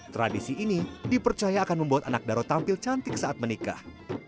tradisi ini dipercaya akan membuat anak daro tampil cantik saat menikah